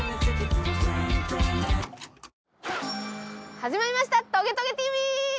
始まりました『トゲトゲＴＶ』！